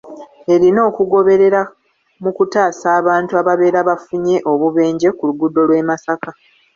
Erina okugoberera mu kutaasa abantu ababeera bafunye obubenje ku luguudo lw'e Masaka